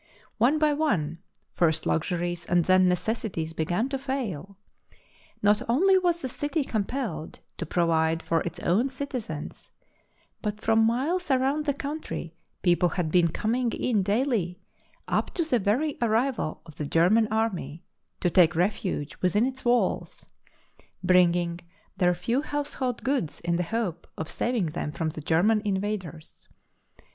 One by one, first luxuries and then necessities began to fail. Not only was the city compelled to provide for its own citi zens, but from miles around the country people had been coming in daily up to the very arrival of the German army to take refuge within its walls, bringing their few household goods in the hope of saving them from the German invaders.